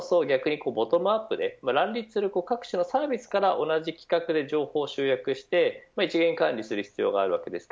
だからこそそれにボトムアップで乱立するサービスから同じ規格で情報を集約して管理をする必要があります。